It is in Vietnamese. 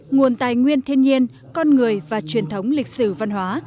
nguồn tài nguyên thiên nhiên con người và truyền thống lịch sử văn hóa